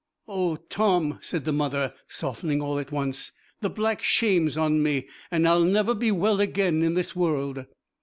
'Oh Tom,' said the mother, softening all at once, 'the black shame's on me, and I'll never be well again in this world.'